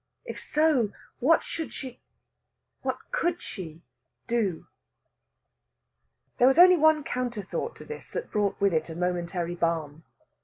If so, what should she what could she do? There was only one counter thought to this that brought with it a momentary balm.